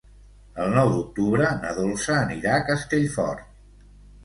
El nou d'octubre na Dolça anirà a Castellfort.